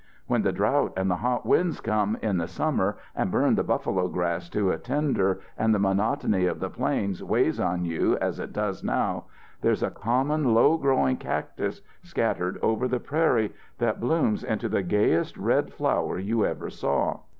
"When the drought and the hot winds come in the summer and burn the buffalo grass to a tinder and the monotony of the plains weighs on you as it does now, there's a common, low growing cactus scattered over the prairie that blooms into the gayest red flower you ever saw.